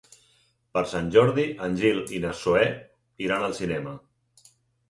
Per Sant Jordi en Gil i na Zoè iran al cinema.